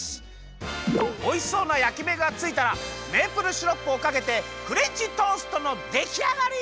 おいしそうなやきめがついたらメープルシロップをかけてフレンチトーストのできあがり！